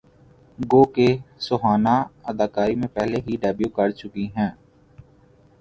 گوکہ سہانا اداکاری میں پہلے ہی ڈیبیو کرچکی ہیں